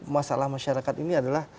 masalah masyarakat ini adalah